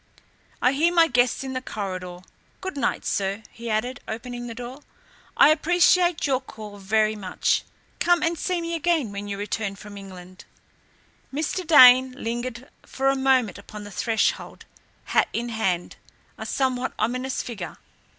I hear my guests in the corridor. Good night, sir!" he added, opening the door. "I appreciate your call very much. Come and see me again when you return from England." Mr. Dane lingered for a moment upon the threshold, hat in hand, a somewhat ominous figure.